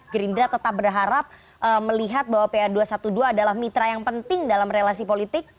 gerindra tetap berharap melihat bahwa pa dua ratus dua belas adalah mitra yang penting dalam relasi politik